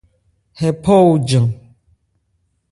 Hɛ phɔ ojan.